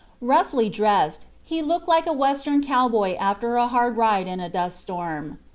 Roughly dressed, he looked like a Western cowboy after a hard ride in a dust storm.